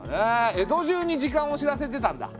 江戸じゅうに時間を知らせてたんだ。